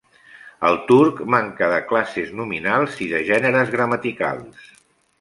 El turc manca de classes nominals i de gèneres gramaticals.